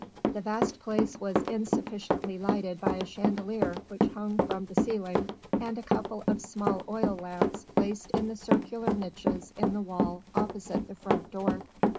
The vast place was insufficiently lighted by a chandelier which hung from the ceiling and a couple of small oil lamps placed in the circular niches in the wall opposite the front door.